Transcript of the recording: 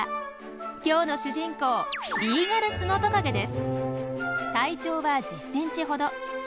今日の主人公体長は１０ｃｍほど。